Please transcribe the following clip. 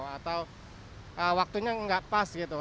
atau waktunya nggak pas gitu